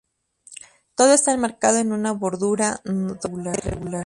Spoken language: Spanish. Todo está enmarcado en una bordura dorada irregular.